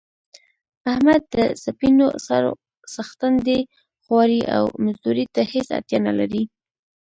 احمد د سپینو سرو څښتن دی خوارۍ او مزدورۍ ته هېڅ اړتیا نه لري.